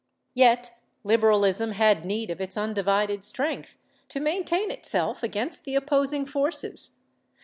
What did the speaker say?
Yet Liberalism had need of its undivided strength to maintain itself against the opposing forces.